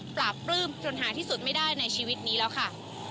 ปลื้มจนหาที่สุดไม่ได้ในชีวิตนี้แล้วค่ะ